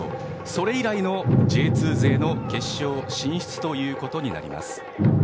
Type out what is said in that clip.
それ以来のＪ２勢の決勝進出ということです。